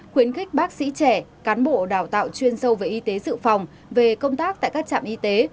khuyến khích bác sĩ trẻ cán bộ đào tạo chuyên sâu về y tế dự phòng về công tác tại các trạm y tế